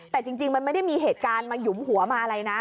แต่จริงมันไม่ได้มีเหตุการณ์มาหยุมหัวมาอะไรนะ